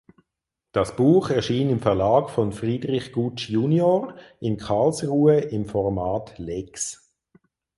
Das Buch erschien im Verlag von Friedrich Gutsch junior in Karlsruhe im Format Lex.